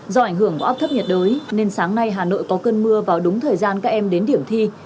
do ảnh hưởng áp thấp nhiệt đới nên sáng nay hà nội có cơn mưa vào đúng thời gian các em đến điểm thi